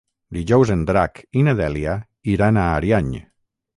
Dijous en Drac i na Dèlia iran a Ariany.